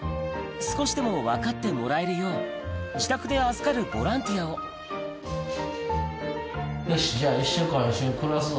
少しでも分かってもらえるよう自宅で預かるボランティアをよしじゃあ。